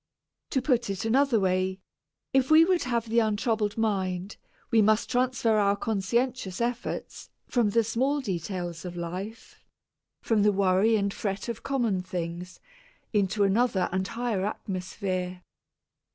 To put it another way, if we would have the untroubled mind, we must transfer our conscientious efforts from the small details of life from the worry and fret of common things into another and a higher atmosphere.